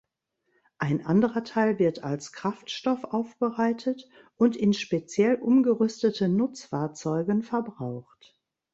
Ein anderer Teil wird als Kraftstoff aufbereitet und in speziell umgerüsteten Nutzfahrzeugen verbraucht.